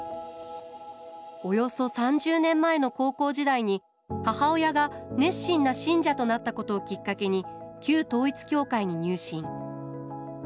およそ３０年前の高校時代に母親が熱心な信者となったことをきっかけに旧統一教会に入信。